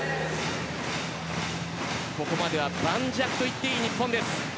ここまでは盤石といっていい日本。